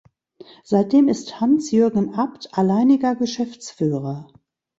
Seitdem ist Hans-Jürgen Abt alleiniger Geschäftsführer.